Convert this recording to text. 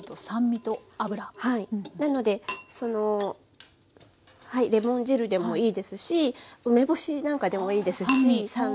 なのでレモン汁でもいいですし梅干しなんかでもいいですし。は酸味。